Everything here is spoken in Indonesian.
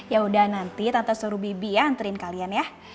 yaudah nanti tante suruh bibi ya anterin kalian ya